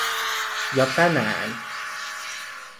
Ja tänään.